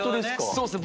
そうっすね。